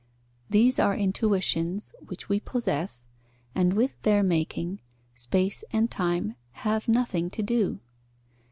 These are intuitions, which we possess, and with their making, space and time have nothing to do.